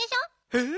えっ？